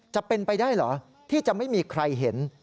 จะเป็นไปได้เหรอที่จะไม่มีใครเห็น